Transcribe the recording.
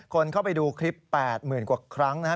คนเข้าไปดูคลิป๘หมื่นกว่าครั้งนะฮะ